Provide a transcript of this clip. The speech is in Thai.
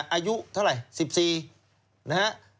อายุเท่าไร๑๔นะครับ